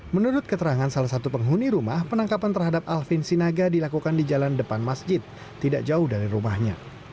menurut keterangan salah satu penghuni rumah penangkapan terhadap alvin sinaga dilakukan di jalan depan masjid tidak jauh dari rumahnya